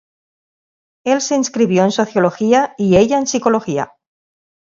Él se inscribió en Sociología y ella, en Psicología.